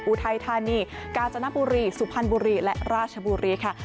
อุทัยธานีกาญจนบุรีสุพรรณบุรีและราชบุรีค่ะ